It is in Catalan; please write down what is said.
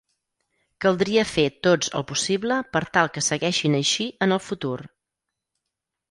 Caldria fer tots el possible per tal que segueixin així en el futur.